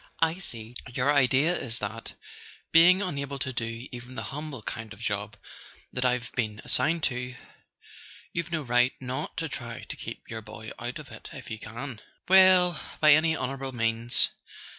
"I see. Your idea is that, being unable to do even the humble kind of job that I've been assigned to, you've no right not to try to keep your boy out of it if you can?" "Well—by any honourable means."